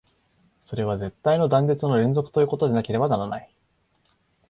それは絶対の断絶の連続ということでなければならない。